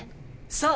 そう。